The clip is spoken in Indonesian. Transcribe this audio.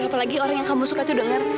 apalagi ada orang yang kamu suka itu denger